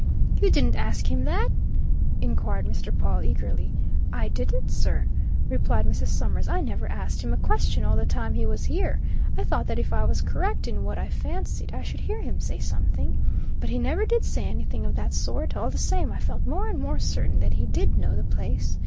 "You didn't ask him that?" inquired Mr. Pawle, eagerly. "I didn't, sir," replied Mrs. Summers. "I never asked him a question all the time he was here. I thought that if I was correct in what I fancied, I should hear him say something. But he never did say anything of that sort all the same, I felt more and more certain that he did know the place.